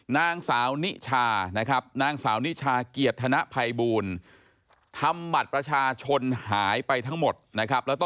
นางสาวนิชานะครับนางสาวนิชาเกียรติธนภัยบูลทำบัตรประชาชนหายไปทั้งหมดนะครับ